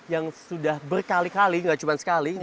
yang sudah berkali kali nggak cuma sekali